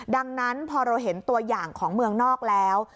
ดังนั้นพอเราเห็นตัวอย่างของเมืองนอกแล้ว